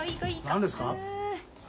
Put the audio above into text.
何ですか？